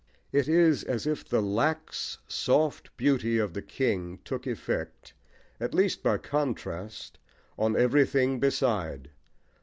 It is as if the lax, soft beauty of the king took effect, at least by contrast, on everything beside.